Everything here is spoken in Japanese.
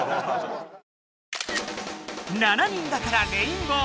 「七人だからレインボー」。